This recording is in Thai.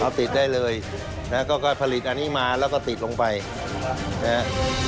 เอาติดได้เลยนะฮะก็ผลิตอันนี้มาแล้วก็ติดลงไปนะฮะ